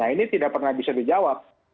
nah ini tidak pernah bisa dijawab